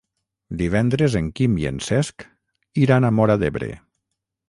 Divendres en Quim i en Cesc iran a Móra d'Ebre.